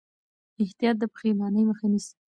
احتیاط د پښېمانۍ مخه نیسي.